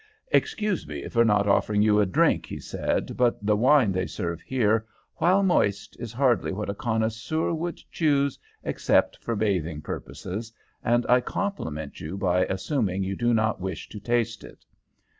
"Excuse me for not offering you a drink," he said, "but the wine they serve here while moist is hardly what a connoisseur would choose except for bathing purposes, and I compliment you by assuming that you do not wish to taste it."